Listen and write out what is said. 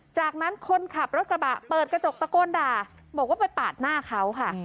จากนั้นคนขับรถกระบะเปิดกระจกตะโกนด่าบอกว่าไปปาดหน้าเขาค่ะ